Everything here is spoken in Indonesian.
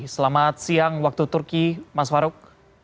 selamat siang waktu turki mas farouk